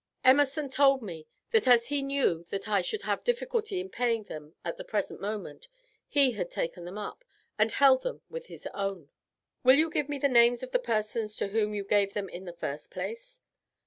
Emerson told me that as he knew that I should have difficulty in paying them at the present moment, he had taken them up, and held them with his own." "Will you give me the names of the persons to whom you gave them in the first place?"